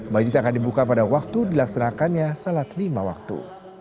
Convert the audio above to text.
macit akan dibuka pada waktu dilaksanakannya selat lima waktu